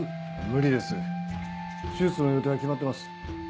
無理です手術の予定は決まってます。